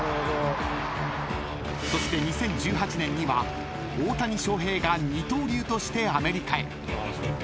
［そして２０１８年には大谷翔平が二刀流としてアメリカへ］